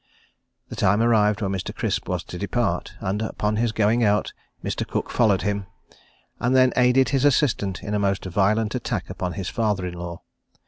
The time arrived when Mr. Crisp was to depart, and upon his going out, Mr. Cooke followed him, and then aided his assistant in a most violent attack upon his father in law.